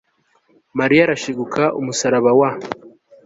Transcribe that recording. mariya arashiguka, umusaraba wa